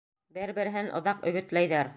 Бер-береһен оҙаҡ өгөтләйҙәр.